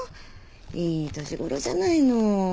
いい年ごろじゃないの。